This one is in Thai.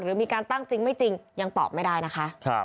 หรือมีการตั้งจริงไม่จริงยังตอบไม่ได้นะคะ